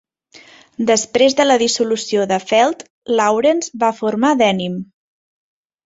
Després de la dissolució de Felt, Lawrence va formar Denim.